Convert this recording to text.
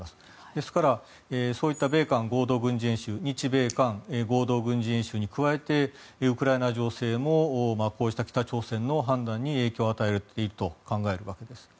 ですからそういった米韓合同軍事演習日米韓合同軍事演習に加えてウクライナ情勢もこうした北朝鮮の判断に影響を与えていると考えるわけです。